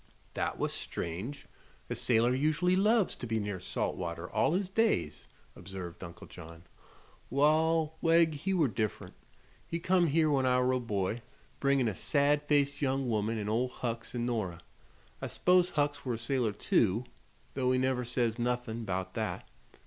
"That was strange. A sailor usually loves to be near salt water all his days," observed Uncle John. "Wall, Wegg he were diff'rent. He come here when I were a boy, bringin' a sad faced young woman an' Ol' Hucks an' Nora. I s'pose Hucks were a sailor, too, though he never says nuthin' 'bout that.